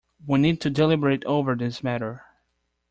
We need to deliberate over this matter.